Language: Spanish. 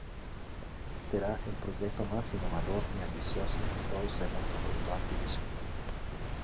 Será el proyecto más "innovador" y "ambicioso" de todos según reportó Activision.